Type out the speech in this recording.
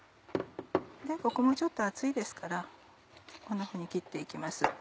ここもちょっと厚いですからこんなふうに切って行きます。